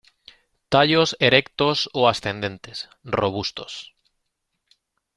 Tallos erectos o ascendentes, robustos.